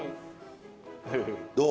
どう？